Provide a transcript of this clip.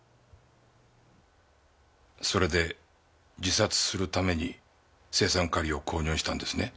それで自殺するために青酸カリを購入したんですね？